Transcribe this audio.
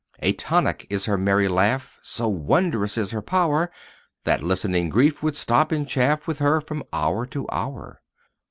A tonic is her merry laugh! So wondrous is her power That listening grief would stop and chaff With her from hour to hour.